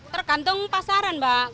tergantung pasaran mbak